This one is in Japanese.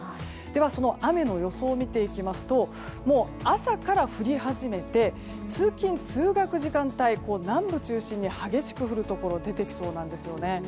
では、その雨の予想を見ていきますと朝から降り始めて通勤・通学時間帯南部中心に激しく降るところ出てきそうなんですよね。